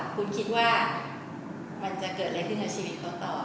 คุณคิดว่ามันจะเกิดอะไรขึ้นในชีวิตเขาต่อ